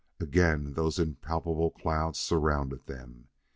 Again those impalpable clouds surrounded them.